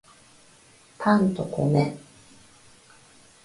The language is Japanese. パンと米